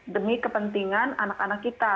demi kepentingan anak anak kita